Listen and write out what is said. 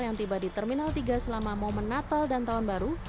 yang tiba di terminal tiga selama momen natal dan tahun baru